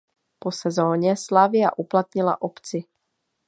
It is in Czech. Po sezóně Slavia uplatnila opci.